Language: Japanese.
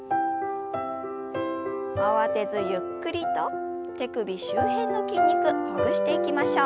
慌てずゆっくりと手首周辺の筋肉ほぐしていきましょう。